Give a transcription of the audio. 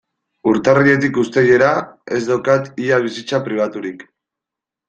Urtarriletik uztailera ez daukat ia bizitza pribaturik.